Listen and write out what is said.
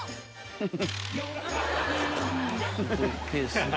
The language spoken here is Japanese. フフフフ。